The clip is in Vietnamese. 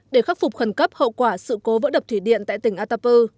để khắc phục khẩn cấp hậu quả sự cố vỡ đập thủy điện tại tỉnh atapu